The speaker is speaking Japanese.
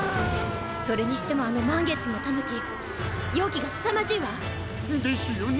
それにしてもあの満月の狸妖気がすさまじいわ。ですよね。